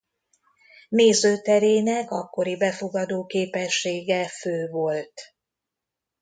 Nézőterének akkori befogadóképessége fő volt.